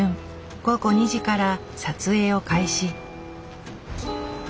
午後２時から撮影を開始。